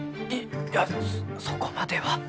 いやそこまでは。